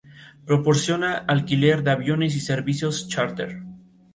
A continuación se introducen algunas de las más importantes.